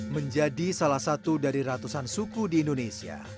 menjadi salah satu dari ratusan suku di indonesia